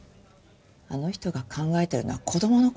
あの人が考えてるのは子供の事だけなのよ。